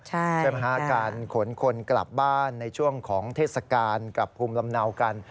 ใช่ไหมคะการขนคนกลับบ้านในช่วงของเทศกาลกับภูมิลำเนากัน